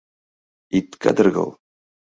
— Ит кадыргыл!